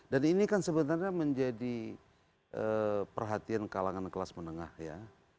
dan ini kan sebenarnya menjadi perhatian kalangan kelas menengah ya